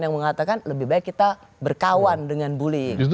yang mengatakan lebih baik kita berkawan dengan bullying